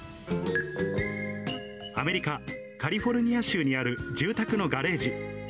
アメリカ・カリフォルニア州にある住宅のガレージ。